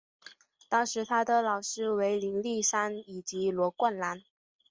当时他的老师为林立三以及罗冠兰。